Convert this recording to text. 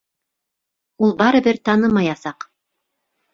Ул барыбер танымаясаҡ.